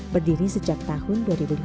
berdiri sejak tahun dua ribu lima belas